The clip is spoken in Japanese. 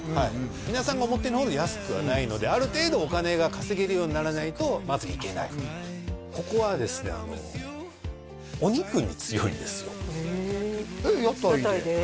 皆さんが思ってるほど安くはないのである程度お金が稼げるようにならないとまず行けないここはですねお肉に強いんですよへええっ屋台で？